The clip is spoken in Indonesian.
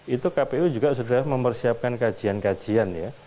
itu kpu juga sudah mempersiapkan kajian kajian ya